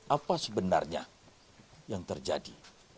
apa sebenarnya yang terjadi